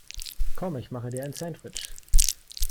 Komm, ich mache dir ein Sandwich.